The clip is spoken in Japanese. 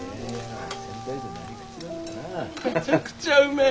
めちゃくちゃうめえ。